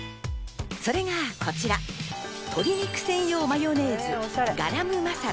それがこちら、鶏肉専用マヨネーズ、ガラムマサラ。